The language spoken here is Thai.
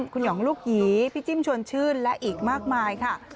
คุณหองลูกหยีพี่จิ้มชวนชื่นและอีกมากมายค่ะ